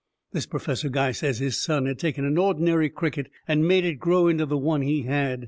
This professor guy says his son had taken an ordinary cricket and made it grow into the one he had.